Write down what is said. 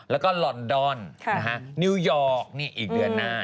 แล้วก็ลอนดอนนิวยอร์กอีกเดือนหน้า